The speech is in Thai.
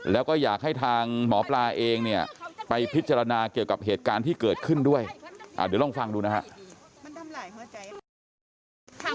แล้วก็อยากให้ทางหมอปลาเองเนี่ยไปพิจารณาเกี่ยวกับเหตุการณ์ที่เกิดขึ้นด้วยเดี๋ยวลองฟังดูนะฮะ